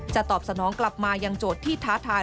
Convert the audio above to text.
ตอบสนองกลับมายังโจทย์ที่ท้าทาย